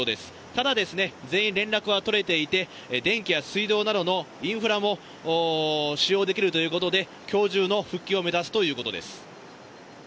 ただ、全員連絡は取れていて、電気や水道などのインフラも使用できるということで、今日中の復帰を目指すということです。